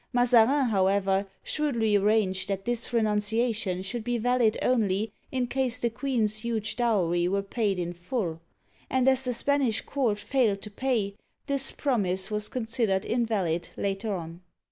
Mazarin, however, shrewdly arranged that this renunciation should be valid only in case the queen's huge dowry were paid in full ; and as the Spanish court failed to pay, this promise was considered invalid later on.